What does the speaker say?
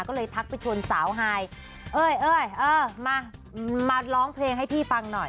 ก็เลยทักไปชวนสาวไฮเอ้ยเอ้ยเออมามาร้องเพลงให้พี่ฟังหน่อย